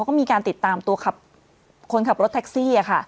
ก็มีการติดตามตัวคนขับรถแท็กซี่